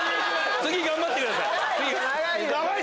次頑張ってください。